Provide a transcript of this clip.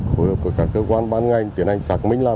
phối hợp với các cơ quan ban ngành tiến hành xác minh làm